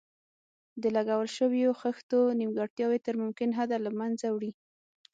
د لګول شویو خښتو نیمګړتیاوې تر ممکن حده له منځه وړي.